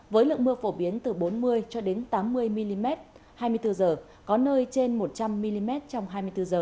với lượng mưa phổ biến từ bốn mươi cho đến tám mươi mm hai mươi bốn h có nơi trên một trăm linh mm trong hai mươi bốn h